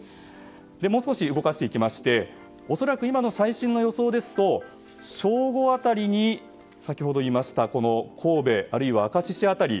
もう少し動かしていきまして恐らく、今の最新の予想ですと正午辺りに先ほど言いました神戸、あるいは明石市辺り